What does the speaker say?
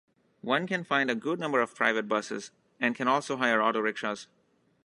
One can find a good number of private buses, and can also hire auto-rickshaws.